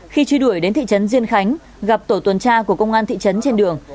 khi truy đuổi đến thị trấn diên khánh gặp tổ tuần tra của công an thị trấn trên đường